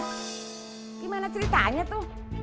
gimana ceritanya tuh